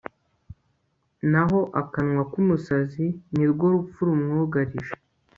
naho akanwa k'umusazi, ni rwo rupfu rumwugarije